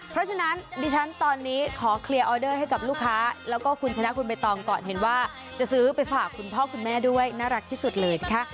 เพราะฉะนั้นดิฉันตอนนี้ขอเคลียร์ออเดอร์ให้กับลูกค้าแล้วก็คุณชนะคุณใบตองก่อนเห็นว่าจะซื้อไปฝากคุณพ่อคุณแม่ด้วยน่ารักที่สุดเลยนะคะ